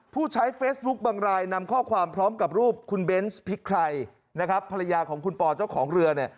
ผู้ใช้เฟสบุ๊คบังรายนำข้อความพร้อมกับรูปคุณเบนส์พิคไครภรรยาของคุณปอร์เจ้าของเรือ